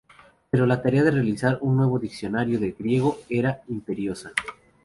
Pero la tarea de realizar un nuevo diccionario de griego era imperiosa.